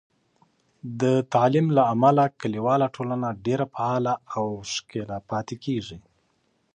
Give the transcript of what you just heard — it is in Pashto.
د تعلیم له امله، کلیواله ټولنه ډیر فعاله او ښکیل پاتې کېږي.